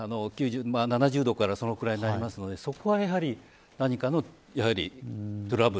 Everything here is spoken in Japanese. ７０度からそのぐらいになりますのでそこはやはり、何かのトラブル。